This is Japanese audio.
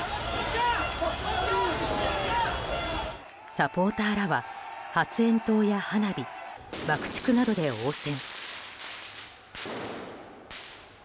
サポーターらは発煙筒や花火爆竹などで応戦。